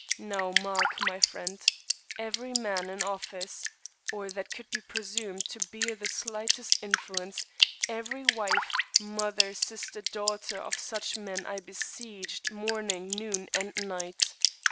Now mark, my friend. Every man in office, or that could be presumed to bear the slightest influence, every wife, mother, sister, daughter of such men, I besieged morn ing, noon, and night.